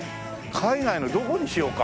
海外のどこにしようか？